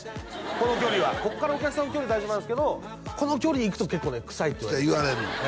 この距離はこっからお客さんの距離大丈夫なんすけどこの距離いくと結構ね臭いって言われるんですよ